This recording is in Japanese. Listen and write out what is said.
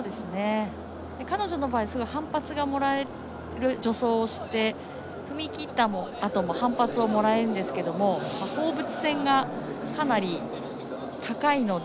彼女の場合反発がもらえる助走をして踏み切ったあとも反発をもらえるんですけど放物線がかなり高いので。